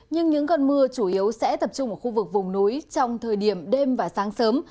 nhưng những cơn mưa chủ yếu sẽ tập trung ở khu vực vùng núi trong thời điểm đêm và sáng sớm